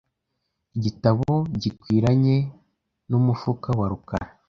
Igitabo gikwiranye nu mufuka wa rukara .